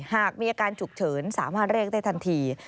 หากมีอาการฉุกเฉินสามารถเรียกได้ทันที